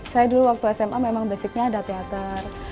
saya dulu waktu sma memang basicnya ada teater